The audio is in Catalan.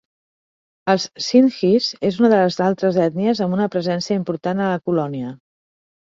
Els Sindhis és una de les altres ètnies amb una presència important a la colònia.